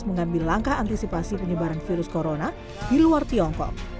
mengambil langkah antisipasi penyebaran virus corona di luar tiongkok